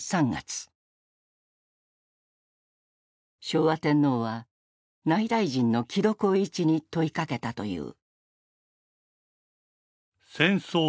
昭和天皇は内大臣の木戸幸一に問いかけたという。